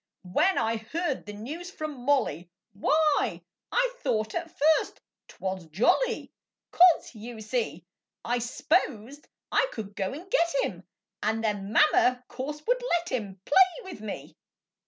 When I heard the news from Molly, Why, I thought at first 't was jolly, 'Cause, you see, I s'posed I could go and get him And then Mama, course, would let him Play with me.